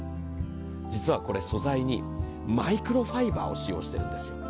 実はこれ、素材にマイクロファイバーを使用してるんです。